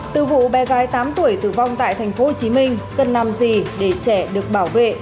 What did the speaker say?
từ vụ bé gái tám tuổi tử vong tại tp hcm cần làm gì để trẻ được bảo vệ